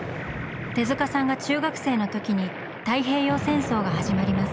手さんが中学生の時に太平洋戦争が始まります。